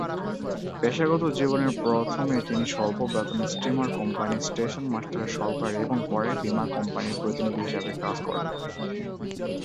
পেশাগত জীবনে প্রথমে তিনি স্বল্প বেতনে স্টিমার কোম্পানির স্টেশন মাস্টারের সহকারী এবং পরে বীমা কোম্পানির প্রতিনিধি হিসেবে কাজ করেন।